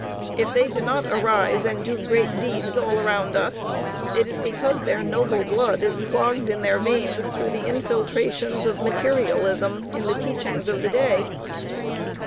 If they do not arise and do great deeds all around us, it is because their noble blood is clogged in their veins through the infiltrations of materialism in the teachings of the day.